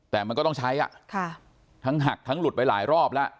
แต่มันก็ต้องใช้ทั้งหักทั้งหลุดไปหลายรอบแล้ว